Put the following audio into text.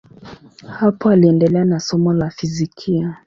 Hapo aliendelea na somo la fizikia.